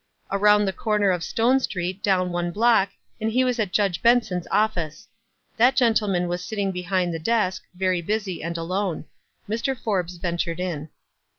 Around the corner of Stone Street, down one block, and he was at Judge Benson's < That gentleman was sitting behind the desk, von' busy and alone. Mr. Forbes ventured in.